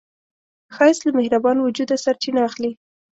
ښایست له مهربان وجوده سرچینه اخلي